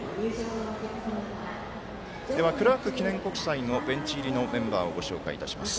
クラーク記念国際のベンチ入りのメンバーをご紹介いたします。